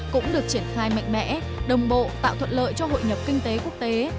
cũng được triển khai mạnh mẽ đồng bộ tạo thuận lợi cho hội nhập kinh tế quốc tế